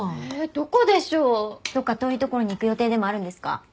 どこか遠い所に行く予定でもあるんですか？